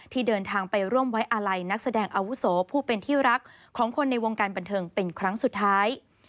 เดินทางไปร่วมไว้อาลัยนักแสดงอาวุโสผู้เป็นที่รักของคนในวงการบันเทิงเป็นครั้งสุดท้าย